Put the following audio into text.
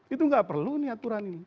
itu nggak perlu nih aturan ini